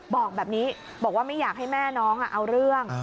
บอกแบบนี้บอกว่าไม่อยากให้แม่น้องเอาเรื่อง